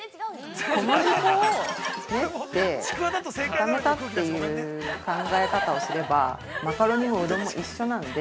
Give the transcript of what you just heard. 小麦粉を練って固めたという考え方をすればマカロニもうどんも一緒なんで。